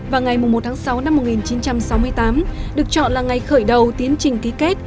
và ngày một tháng sáu năm một nghìn chín trăm sáu mươi tám được chọn là ngày khởi đầu tiến trình ký kết